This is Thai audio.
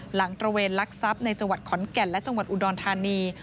ตระเวนลักทรัพย์ในจังหวัดขอนแก่นและจังหวัดอุดรธานี